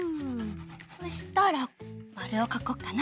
そしたらまるをかこっかな。